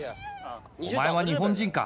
お前は日本人か？